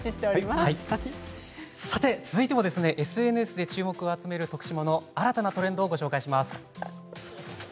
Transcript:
続いてもＳＮＳで注目を集める徳島の新たなトレンドをご紹介します。